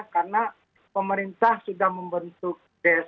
karena pemerintah sudah membentuk